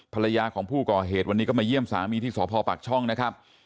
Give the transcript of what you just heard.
ภรรยาของผู้ก่อเหตุวันนี้ก็มาเยี่ยมสามีที่สพปากช่องนะครับ